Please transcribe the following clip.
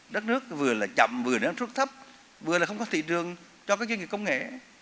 đất nước vừa là chậm vừa là xuất thấp vừa là không có thị trường cho các doanh nghiệp công nghệ